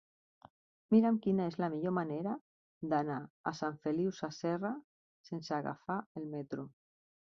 Mira'm quina és la millor manera d'anar a Sant Feliu Sasserra sense agafar el metro.